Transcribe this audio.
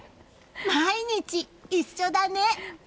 毎日、一緒だね！